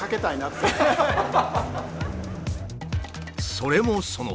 それもそのはず